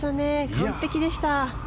完璧でした。